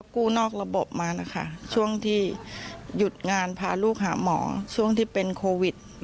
กู้นอกระบบมานะคะช่วงที่หยุดงานพาลูกหาหมอช่วงที่เป็นโควิด